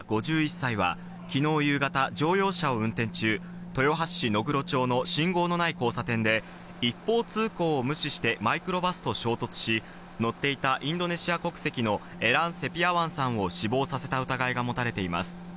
５１歳は昨日夕方、乗用車を運転中、豊橋市野黒町の信号のない交差点で、一方通行を無視して、マイクロバスと衝突し、乗っていたインドネシア国籍のエラン・セピアワンさんを死亡させた疑いが持たれています。